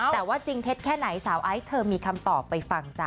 แต่ว่าจริงเท็จแค่ไหนสาวไอซ์เธอมีคำตอบไปฟังจ้ะ